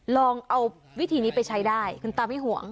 ลองเอาวิธีนี้ไปใช้ได้คุณตาไม่ห่วง